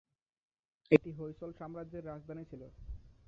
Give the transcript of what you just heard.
এটি হৈসল সাম্রাজ্যের রাজধানী ছিল।